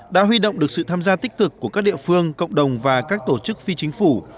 đã huy động được sự tham gia tích cực của các địa phương cộng đồng và các tổ chức phi chính phủ